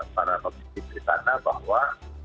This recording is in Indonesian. para nomor satu di sana bahwa